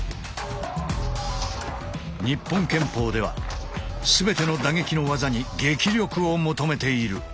日本拳法では全ての打撃の技に撃力を求めている。